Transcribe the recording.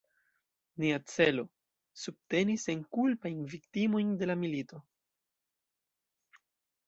Nia celo: subteni senkulpajn viktimojn de la milito.